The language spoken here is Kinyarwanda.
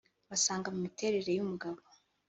bagasanga mu miterere y’umugabo